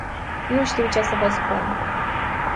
Nu știu ce să vă spun.